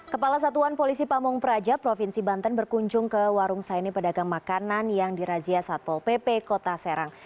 kepala satuan polisi pamung praja provinsi banten berkunjung ke warung saini pedagang makanan yang dirazia satpol pp kota serang